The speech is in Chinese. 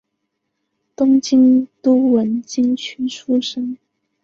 东京都文京区出身。